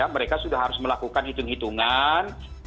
mereka sudah harus melakukan hitung hitungan